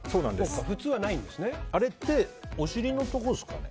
あれってお尻のところですかね。